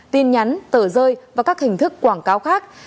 tin nhắn tờ rơi và các hình thức quảng cáo khác